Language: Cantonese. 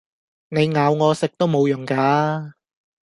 你咬我食都無用架